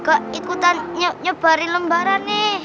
gak ikutan nyebarin lembaran nih